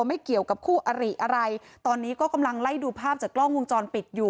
ไม่เกี่ยวกับคู่อริอะไรตอนนี้ก็กำลังไล่ดูภาพจากกล้องวงจรปิดอยู่